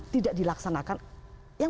tidak dilaksanakan yang